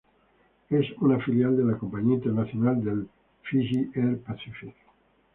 Es una filial de la compañía internacional de Fiyi Air Pacific.